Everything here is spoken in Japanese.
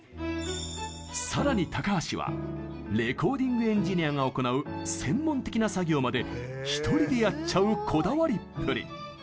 さらに、高橋はレコーディング・エンジニアが行う専門的な作業まで１人でやっちゃうこだわりっぷり。